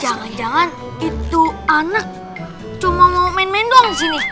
jangan jangan itu anak cuma mau main main doang di sini